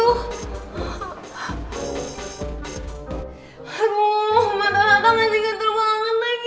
aduh mata tata masih gentel banget lagi